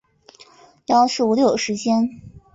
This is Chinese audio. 要是我有时间